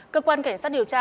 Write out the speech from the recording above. cơ quan cảnh sát điều tra